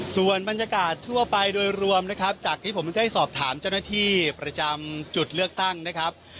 ส่วนบรรยากาศทั่วไปโดยรวมนะครับจากที่ผมได้สอบถามเจ้าหน้าที่ประจำจุดเลือกตั้งนะครับ